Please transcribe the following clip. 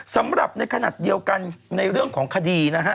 สำหรับในขณะเดียวกันในเรื่องของคดีนะฮะ